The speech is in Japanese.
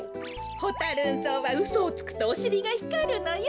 ホタ・ルン草はうそをつくとおしりがひかるのよ。